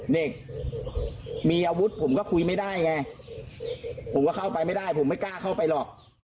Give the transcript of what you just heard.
เด็กมีอาวุธผมก็คุยไม่ได้ไงผมก็เข้าไปไม่ได้ผมไม่กล้าเข้าไปหรอก